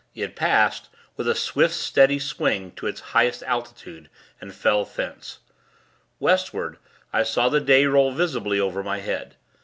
It passed, with a swift, steady swing to its highest altitude, and fell thence, Westward. I saw the day roll visibly over my head.